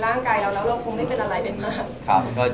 อย่างน้อยเรามีภูมิในร่างกายเราแล้ว